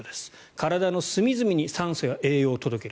体の隅々に酸素や栄養を届ける。